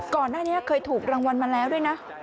ก่อนหน้านี้เคยถูกรางวัลมาแล้วด้วยนะ